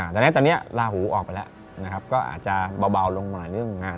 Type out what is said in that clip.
แต่ตอนนี้ราโหออกไปแล้วก็อาจจะเบาลงมาเรื่องงาน